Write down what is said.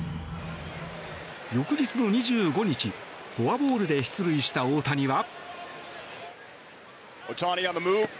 翌日の２５日、フォアボールで出塁した大谷は。